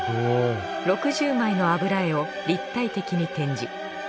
６０枚の油絵を立体的に展示。